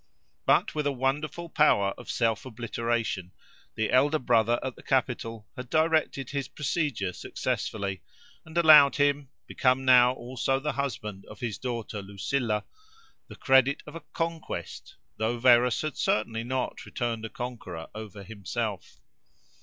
But with a wonderful power of self obliteration, the elder brother at the capital had directed his procedure successfully, and allowed him, become now also the husband of his daughter Lucilla, the credit of a "Conquest," though Verus had certainly not returned a conqueror over himself.